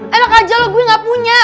hah enak aja lo gue gak punya